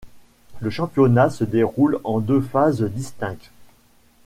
Le championnat se déroule en deux phases distinctes.